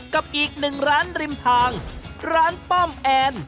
กับอีกหนึ่งร้านริมทางร้านป้อมแอน